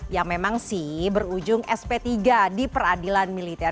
yang memang sih berujung sp tiga di peradilan militer